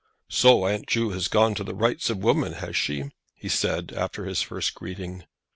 "So aunt Ju has gone to the Rights of Women, has she?" he said, after his first greeting.